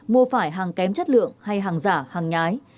mua phải hàng kém chất lượng hay hàng giả hàng nhái